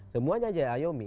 semuanya aja yang ayomi